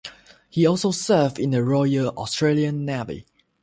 He also served in the Royal Australian Navy.